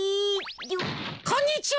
こんにちは！